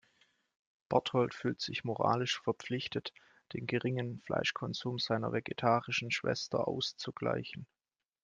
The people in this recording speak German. Bertold fühlt sich moralisch verpflichtet, den geringen Fleischkonsum seiner vegetarischen Schwester auszugleichen.